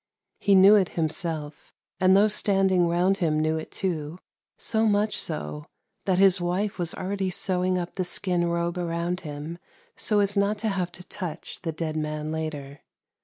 He knew it himself, and those standing round him knew it too, so much so that his wife was already sewing up the skin robe around him so as not to have to touch the dead man later.